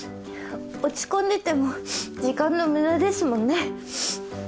落ち込んでても時間の無駄ですもんね。